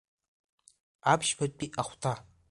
Аԥшьбатәи ахәҭа…